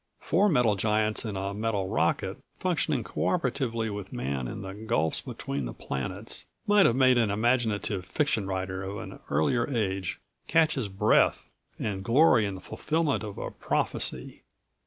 Four metal giants in a metal rocket, functioning cooperatively with Man in the gulfs between the planets, might have made an imaginative fiction writer of an earlier age catch his breath and glory in the fulfillment of a prophecy.